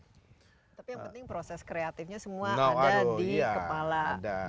tapi yang penting proses kreatifnya semua ada di kepala